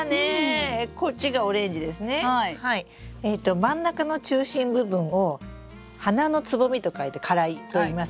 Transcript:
真ん中の中心部分を「花の蕾」と書いて花蕾といいます。